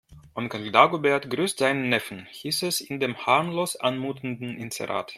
Onkel Dagobert grüßt seinen Neffen, hieß es in dem harmlos anmutenden Inserat.